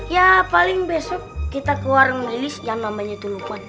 ya paling besok kita keluar ngilis yang namanya tulukuan